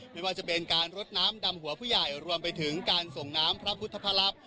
ไม่ว่าจะเป็นการรดน้ำดำหัวผู้ใหญ่รวมไปถึงการส่งน้ำพระพุทธพระลักษณ์